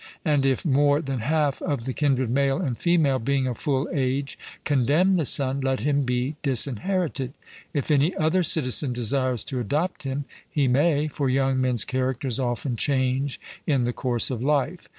And if more than half of the kindred male and female, being of full age, condemn the son, let him be disinherited. If any other citizen desires to adopt him, he may, for young men's characters often change in the course of life.